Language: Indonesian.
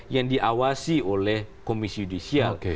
yang diawasi oleh komisi judisial